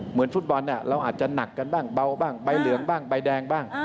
เหมือนฟุตบอลเราอาจจะหนักกันบ้างเบาบ้างใบเหลืองบ้างใบแดงบ้าง